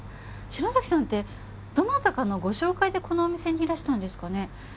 篠崎さんってどなたかのご紹介でこのお店にいらしたんですかね？